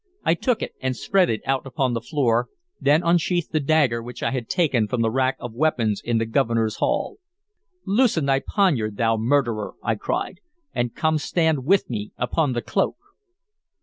I took it and spread it out upon the floor, then unsheathed a dagger which I had taken from the rack of weapons in the Governor's hall. "Loosen thy poniard, thou murderer," I cried, "and come stand with me upon the cloak."